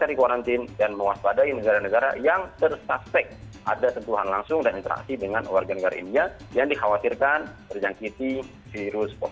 empat belas seri kuarantin dan mewaspadai negara negara yang tersaspek ada tentuhan langsung dan interaksi dengan warga negara india yang dikhawatirkan terjangkiti virus covid sembilan belas